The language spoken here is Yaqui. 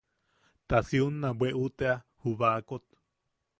Ta si unna bweʼu tea ju bakot.